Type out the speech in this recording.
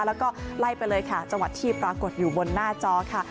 แล้วก็ไล่ไปเลยค่ะจังหวัดที่ปรากฏอยู่บนหน้าจอค่ะ